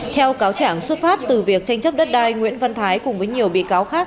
theo cáo trảng xuất phát từ việc tranh chấp đất đai nguyễn văn thái cùng với nhiều bị cáo khác